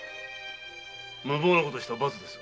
無謀なことをした罰です。